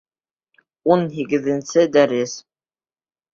Ун һигеҙенсе дәрес